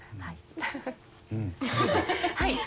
はい。